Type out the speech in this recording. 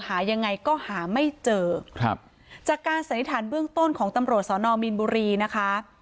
หายังไงก็หาไม่เจอครับจากการสันนิษฐานเบื้องต้นของตำรวจสอนอมีนบุรีนะคะ